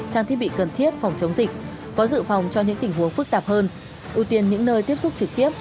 trang thiết bị cần thiết phòng chống dịch có dự phòng cho những tình huống phức tạp hơn ưu tiên những nơi tiếp xúc trực tiếp